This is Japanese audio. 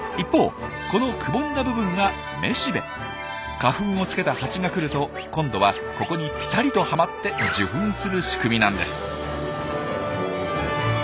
花粉をつけたハチが来ると今度はここにぴたりとはまって受粉する仕組みなんです。